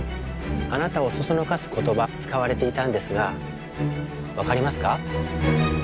あなたを唆す言葉使われていたんですが分かりますか？